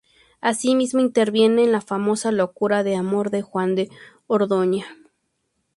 Así mismo, interviene en la famosa "Locura de amor", de Juan de Orduña.